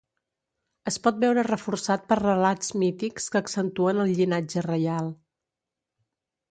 Es pot veure reforçat per relats mítics que accentuen el llinatge reial.